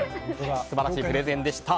素晴らしいプレゼンでした。